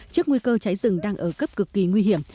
trước nguy cơ cháy rừng đang ở cấp cực kỳ nguy hiểm